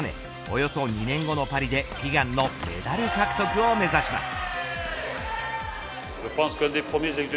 およそ２年後のパリで、悲願のメダル獲得を目指します。